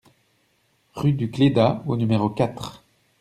Rue du Clédat au numéro quatre